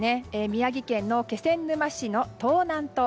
宮城県の気仙沼市の東南東